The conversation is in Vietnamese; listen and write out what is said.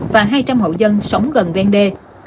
và hai trăm linh hậu dân sống gần ven đê